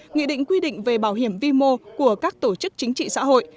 nghị định quy định về bảo hiểm vi mô của các tổ chức chính trị xã hội